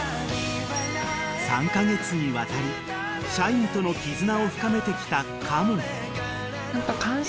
［３カ月にわたりシャインとの絆を深めてきた嘉門］